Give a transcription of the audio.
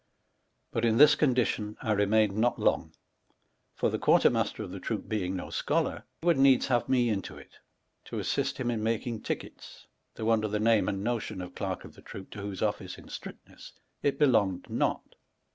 t Section xiv. But in this condition I remained not long, for the quarter master uf the troop being no scholar, would needs have me into it, to assist him in making tickets, though under the name and notion of dark of the troop, to whose office, in strictnesse, it belonged not.